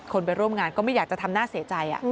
ไปร่วมงานก็ไม่อยากจะทำหน้าเสียใจ